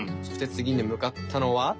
そして次に向かったのは。